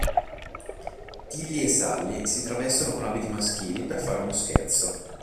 Tilly e Sally si travestono con abiti maschili per fare uno scherzo.